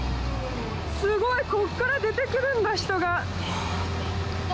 すごい！こっから出てくるんだ人が！